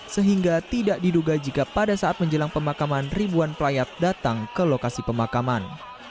sehingga tidak diduga jika pada saat menjelang pemakaman ribuan pelayat datang ke lokasi pemakaman